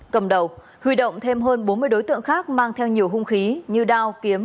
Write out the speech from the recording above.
cầm đầu huy động thêm hơn bốn mươi đối tượng khác mang theo nhiều hung khí như đao kiếm